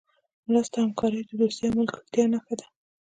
مرسته او همکاري د دوستۍ او ملګرتیا نښه ده.